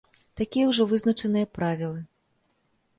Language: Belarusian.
Такія ўжо вызначаныя правілы.